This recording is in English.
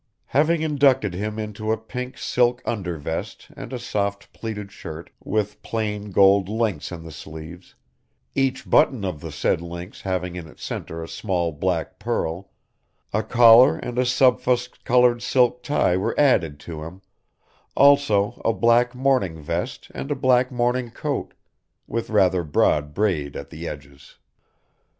Having inducted him into a pink silk under vest and a soft pleated shirt, with plain gold links in the sleeves, each button of the said links having in its centre a small black pearl, a collar and a subfusc coloured silk tie were added to him, also a black morning vest and a black morning coat, with rather broad braid at the edges.